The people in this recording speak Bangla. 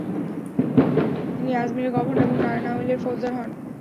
তিনি আজমিরের গভর্নর এবং নারনাউলের ফৌজদার হন।